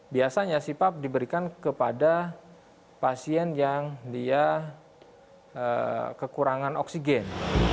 biasanya cpap diberikan kepada pasien yang dia kekurangan oksigen